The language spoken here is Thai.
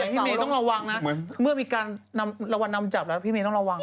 แต่พี่เมย์ต้องระวังนะเมื่อมีการระวังนำจับแล้วพี่เมย์ต้องระวัง